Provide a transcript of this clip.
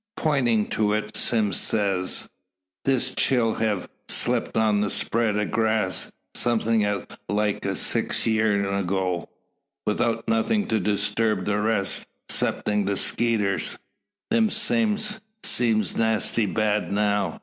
Pointing to it, Sime says: "This chile hev slep on that spread o' grass, some'at like six yeern ago, wi' nothin' to disturb his rest 'ceptin the skeeters. Them same seems nasty bad now.